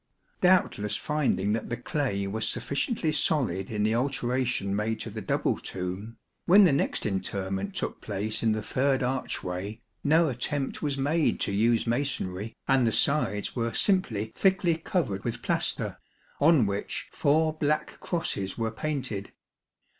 Doubtless finding that the clay was sufficiently solid in the alteration made to the double tomb, when the next interment took place in the third archway, no attempt was made to use masonry, and the sides were simply thickly covered with plaster, on which four black crosses were painted.